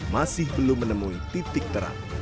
masih belum menemui titik terang